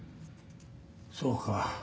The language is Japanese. そうか。